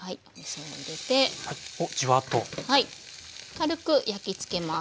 軽く焼きつけます。